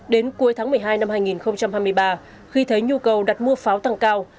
đến cuối tháng một mươi hai năm hai nghìn hai mươi ba khi thấy nhu cầu đặt mua pháo tăng cao